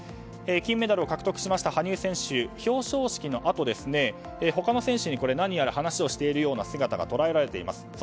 金メダルを獲得しました羽生選手は表彰式のあと他の選手に何やら話をしている姿が捉えられています。